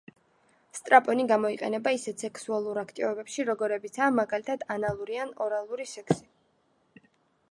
სტრაპონი გამოიყენება ისეთ სექსუალურ აქტივობებში, როგორებიცაა მაგალითად ანალური და ორალური სექსი.